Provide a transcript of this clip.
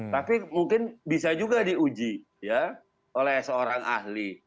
tapi mungkin bisa juga diuji oleh seorang ahli